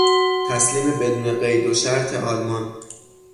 تسلیم بدون قیدو شرط آلمان